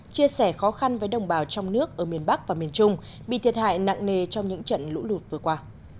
chia sẻ khó khăn với đồng bào trong nước ở miền bắc và miền trung bị thiệt hại nặng nề trong những trận lũ lụt vừa qua